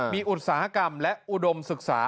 มีอุตสาหกรรมและอุดมศึกษา